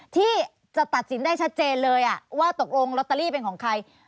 ที่จะตัดสินได้ชัดเจนเลยว่าตกลงลอตเตอรี่เป็นของใคร